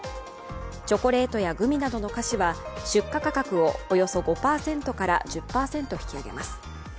チョコレートやグミなどの菓子は出荷価格をおよそ５％から１０％引き上げます。